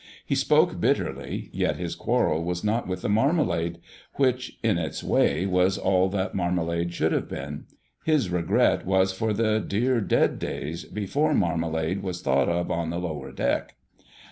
He spoke bitterly, yet his quarrel was not with the marmalade, which, in its way, was all that marmalade should have been. His regret was for the "dear dead days" before marmalade was thought of on the Lower deck.